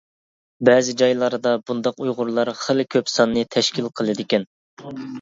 بەزى جايلاردا بۇنداق ئۇيغۇرلار خېلى كۆپ ساننى تەشكىل قىلىدىكەن.